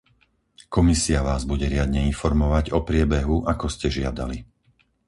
Komisia vás bude riadne informovať o priebehu, ako ste žiadali.